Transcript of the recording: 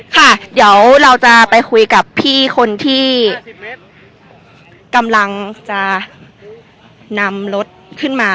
ค่ะเดี๋ยวเราจะไปคุยกับพี่คนที่กำลังจะนำรถขึ้นมา